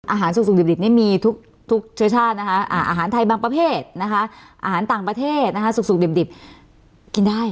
อาหารสุขดิบนี่มีทุกเชื้อชาติอาหารไทยบางประเภทอาหารต่างประเทศสุขดิบกินได้